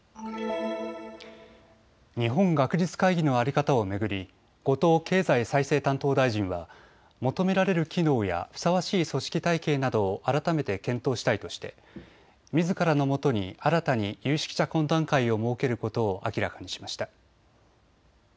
日本学術会議の在り方を巡り後藤経済再生担当大臣は求められる機能やふさわしい組織体系などを改めて検討したいとしてみずからのもとに新たに有識者懇談会を設けることを明らかにしました。